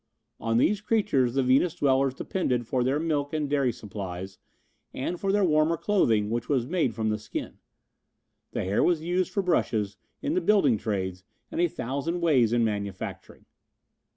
On these creatures the Venus dwellers depended for their milk and dairy supplies, and for their warmer clothing, which was made from the skin. The hair was used for brushes, in the building trades, and a thousand ways in manufacturing.